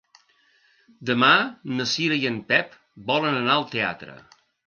Demà na Cira i en Pep volen anar al teatre.